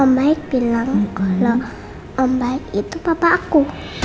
om baik bilang lo om baik itu papa aku